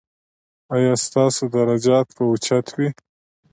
ایا ستاسو درجات به اوچت وي؟